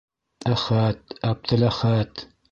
Әхәт, Әптеләхәт...